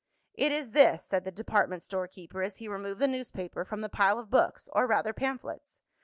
"It is this," said the department store keeper, as he removed the newspaper from the pile of books, or rather, pamphlets.